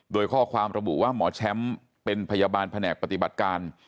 โดยข้อความระบุว่าหมอแชมป์เป็นพยาบาลแผนกปฏิบัติการ